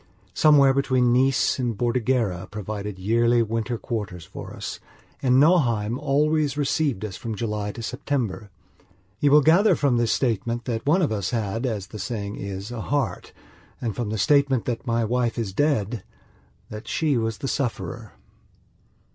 Somewhere between Nice and Bordighera provided yearly winter quarters for us, and Nauheim always received us from July to September. You will gather from this statement that one of us had, as the saying is, a "heart", and, from the statement that my wife is dead, that she was the sufferer.